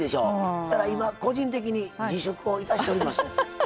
今個人的に自粛をいたしております。